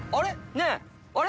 ねぇあれ？